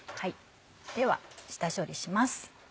では下処理します。